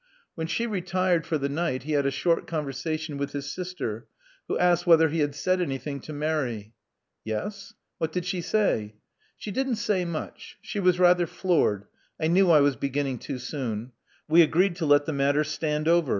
When she retired for the Love Among the Artists 291 night, he had a short conversation with his sister, who asked whether he had said anything to Mary. Yes." "What did she say?" She didn't say much. She was rather floored : I knew I was beginning too soon. We agreed to let the matter stand over.